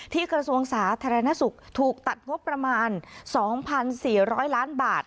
ที่กระทรวงศาสตร์ธรรณสุขถูกตัดพบประมาณ๒๔๐๐ล้านบาท